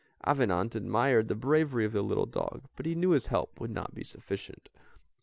Avenant admired the bravery of the little dog, but he knew his help would not be sufficient.